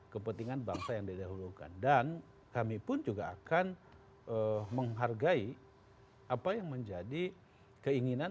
kepentingan bangsa yang didahulukan dan kami pun juga akan menghargai apa yang menjadi keinginan